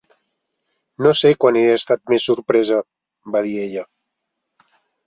"No sé quan he estat més sorpresa", va dir ella.